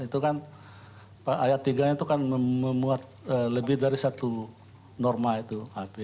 itu kan ayat tiga nya itu kan memuat lebih dari satu norma itu